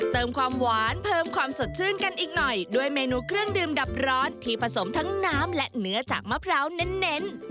เติมความหวานเพิ่มความสดชื่นกันอีกหน่อยด้วยเมนูเครื่องดื่มดับร้อนที่ผสมทั้งน้ำและเนื้อจากมะพร้าวเน้น